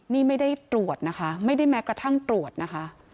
นี่ไม่ได้ตรวจนะคะไม่ได้แม้กระทั่งตรวจนะคะ